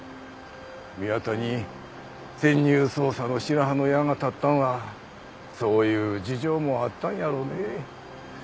宮田に潜入捜査の白羽の矢が立ったんはそういう事情もあったんやろね。